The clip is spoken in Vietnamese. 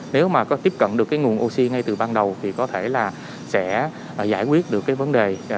nếu mà có tiếp cận được cái nguồn oxy ngay từ ban đầu thì có thể là sẽ giải quyết được cái vấn đề